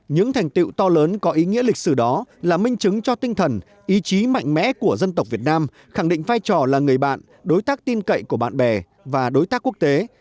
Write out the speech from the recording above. những thành tiệu to lớn có ý nghĩa lịch sử đó là minh chứng cho tinh thần ý chí mạnh mẽ của dân tộc việt nam khẳng định vai trò là người bạn đối tác tin cậy của bạn bè và đối tác quốc tế